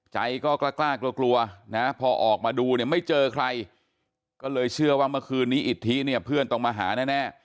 ใจก็กล้ากลัวกลัวนะพอออกมาดูเนี่ยไม่เจอใครก็เลยเชื่อว่าเมื่อคืนนี้อิทธิเนี่ยเพื่อนต้องมาหาแน่